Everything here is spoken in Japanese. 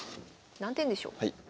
何点でしょう？